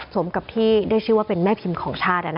สมกับที่ได้ชื่อว่าเป็นแม่พิมพ์ของชาติ